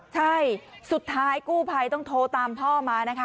ใช่สุดท้ายกู้ภัยต้องโทรตามพ่อมานะคะ